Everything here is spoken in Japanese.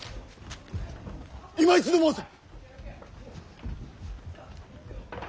いま一度申せ！